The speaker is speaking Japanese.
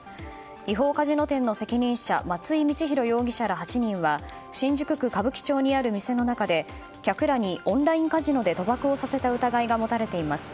違法カジノ店の責任者松井充玄容疑者ら８人は新宿区歌舞伎町にある店の中で客らにオンラインカジノで賭博をさせた疑いが持たれています。